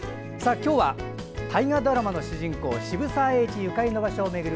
今日は大河ドラマの主人公渋沢栄一ゆかりの場所を巡る